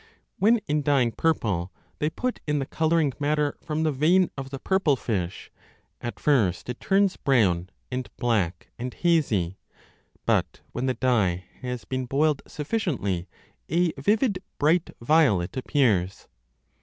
When in dyeing 5 purple they put in the colouring matter from the vein of the purple fish, 1 at first it turns brown and black and hazy ; but when the dye has been boiled sufficiently, a vivid, bright violet appears.